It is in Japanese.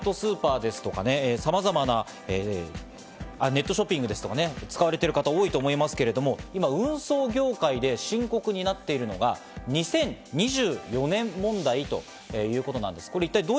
今、ネットスーパーですとか、さまざまなネットショッピングですとかね、使われる方は多いと思いますけど、今、運送業界で深刻になっているのが２０２４年問題ということなんです。